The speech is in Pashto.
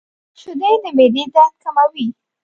• شیدې د معدې درد کموي.